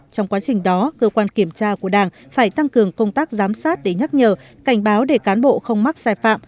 trong quá trình đó cơ quan kiểm tra của đảng phải tăng cường công tác giám sát để nhắc nhở cảnh báo để cán bộ không mắc sai phạm